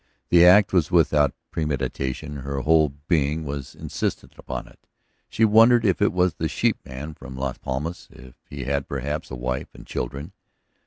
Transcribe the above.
The act was without premeditation; her whole being was insistent upon it. She wondered if it was the sheepman from Las Palmas; if he had, perhaps, a wife and children.